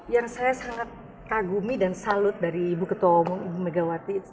yang saya sangat kagumi dan salut dari ibu ketua umum ibu megawati